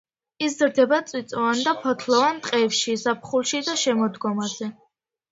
იზრდება წიწვოვან და ფოთლოვან ტყეებში ზაფხულში და შემოდგომაზე.